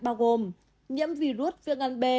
bao gồm nhiễm virus viên gan b